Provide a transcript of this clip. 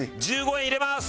１５円入れます！